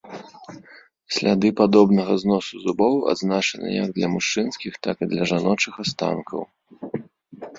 Сляды падобнага зносу зубоў адзначаны як для мужчынскіх, так і для жаночых астанкаў.